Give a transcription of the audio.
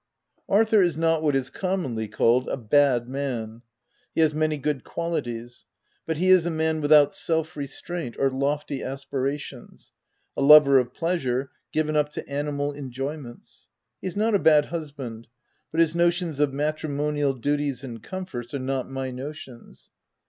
Arthur is not what is commonly called a bad man : he has many good qualities ; but he is a man without self restraint or lofty aspirations — alover of pleasure, given up to animal enjoyments : he is not a bad husband, but his notions of matri monial duties and comforts are not my notions.